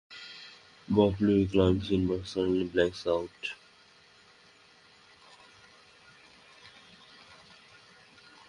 Bop-Louie climbs in, but suddenly blanks out.